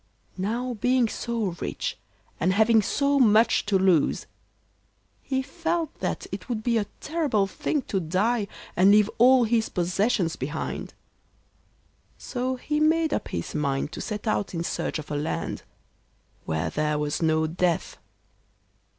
Now being so rich, and having so much to lose, he felt that it would be a terrible thing to die and leave all his possessions behind; so he made up his mind to set out in search of a land where there was no death.